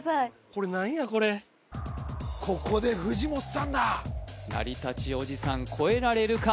これ何やこれここで藤本さんだ成り立ちおじさんこえられるか？